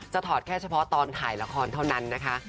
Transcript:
ถอดแค่เฉพาะตอนถ่ายละครเท่านั้นนะคะ